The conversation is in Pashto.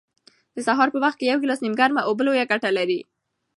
د سهار په وخت کې یو ګیلاس نیمګرمې اوبه لویه ګټه لري.